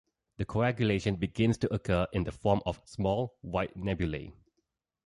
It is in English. The coagulation begins to occur in the form of small white nebulae.